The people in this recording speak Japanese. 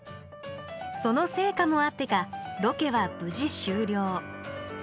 その成果もあってかロケは無事、終了。